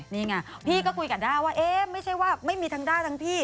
นี่ไงพี่ก็คุยกับด้าว่าเอ๊ะไม่ใช่ว่าไม่มีทั้งด้าทั้งพี่